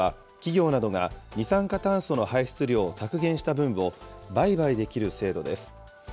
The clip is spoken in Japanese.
排出量取引は、企業などが二酸化炭素の排出量を削減した分を売買できる制度です。